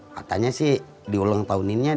katanya sih diulang tahunin segala